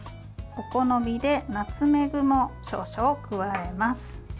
お好みでナツメグも少々加えます。